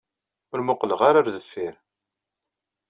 Ur mmuqqleɣ ara ɣer deffir.